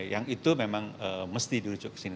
yang itu memang mesti dirujuk ke sini